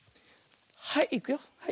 はいいくよ。